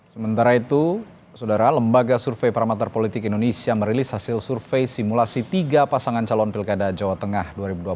sementara itu saudara lembaga survei parameter politik indonesia merilis hasil survei simulasi tiga pasangan calon pilkada jawa tengah dua ribu dua puluh